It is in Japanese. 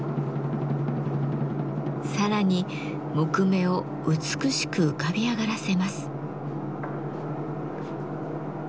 さらに木目を美しく浮かび上がらせます。